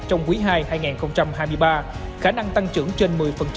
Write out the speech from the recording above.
trong quý ii hai nghìn hai mươi ba khả năng tăng trưởng trên một mươi